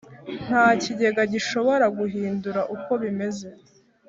Nta Kigega Gishobora Guhindura uko bimeze